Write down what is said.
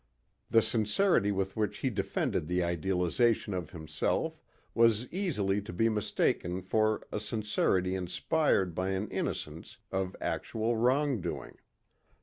The sincerity with which he defended the idealization of himself was easily to be mistaken for a sincerity inspired by an innocence of actual wrong doing.